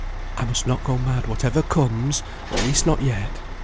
"I must not go mad whatever comes at least not yet.